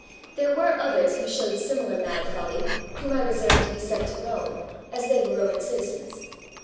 There were others who showed similar mad folly whom I reserved to be sent to Rome, as they were Roman citizens.